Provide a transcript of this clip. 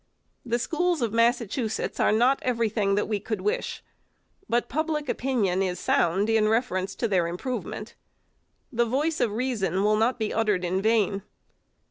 The schools of Massachusetts are not every thing that we could wish, but public opinion is sound in reference to their improvement. The voice of reason will not be uttered in vain.